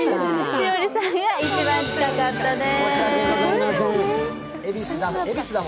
栞里さんが一番近かったです。